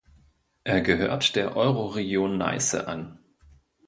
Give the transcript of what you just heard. Er gehört der Euroregion Neiße an.